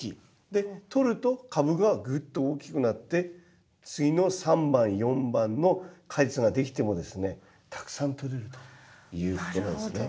で取ると株がぐっと大きくなって次の３番４番の果実ができてもですねたくさん取れるということなんですね。